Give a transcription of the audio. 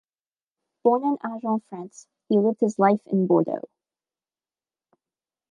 Born in Agen, France, he lived his life in Bordeaux.